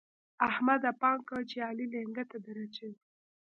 احمده! پام کوه چې علي لېنګته دراچوي.